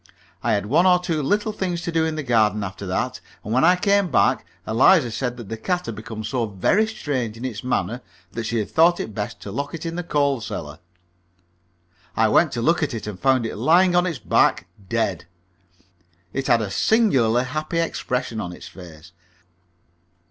I had one or two little things to do in the garden after that, and when I came back Eliza said that the cat had become so very strange in its manner that she had thought it best to lock it in the coal cellar. I went to look at it, and found it lying on its back, dead. It had a singularly happy expression on its face.